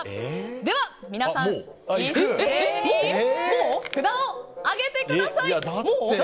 では、皆さん一斉に札を上げてください！